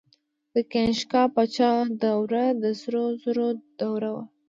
د کنیشکا پاچا دوره د سرو زرو دوره وه